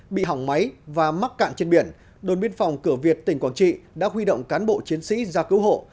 bị hỏng máy và mắc cạn trên biển đồn biên phòng cửa việt tỉnh quảng trị đã huy động cán bộ chiến sĩ ra cứu hộ